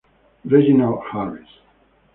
Reginald Harris